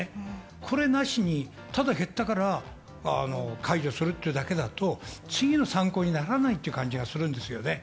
これなしにただ減ったから解除するっていうだけだと次の参考にならないという感じがするんですよね。